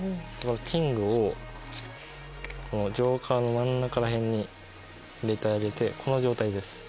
キングをジョーカーの真ん中ら辺に入れてあげてこの状態です